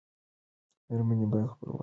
میرمنې باید خپلواکې شي.